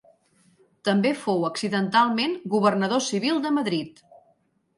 També fou accidentalment governador civil de Madrid.